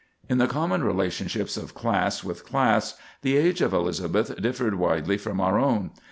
In the common relationships of class with class the age of Elizabeth differed widely from our own.